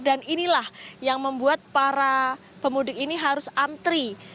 dan inilah yang membuat para pemudik ini harus antri